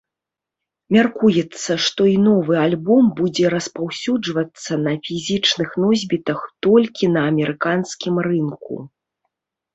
Мяркуецца, што і новы альбом будзе распаўсюджвацца на фізічных носьбітах толькі на амерыканскім рынку.